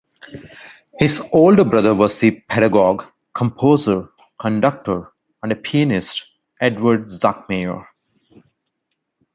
His older brother was the pedagogue, composer, conductor and pianist Eduard Zuckmayer.